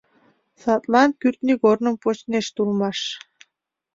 Садлан кӱртньыгорным почнешт улмаш.